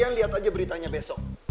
kalian liat aja beritanya besok